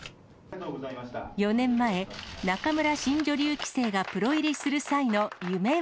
４年前、仲邑新女流棋聖がプロ入りする際の夢は。